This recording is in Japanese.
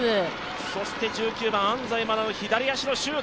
そして１９番・安西愛の左足のシュート。